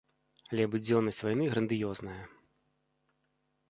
Але будзённасць вайны грандыёзная.